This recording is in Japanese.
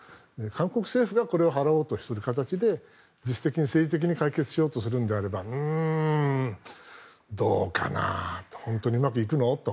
韓国政府がこれを払おうという形で自主的に政治的に解決しようとするのであればうーん、どうかなと本当にうまくいくの？と。